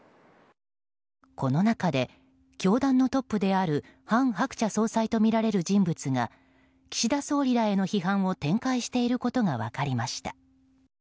この中で、教団のトップである韓鶴子総裁とみられる人物が岸田総理らへの批判を展開していることが分かりました。